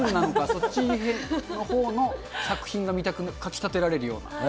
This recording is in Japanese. そっちのほうの作品がかきたてられるような。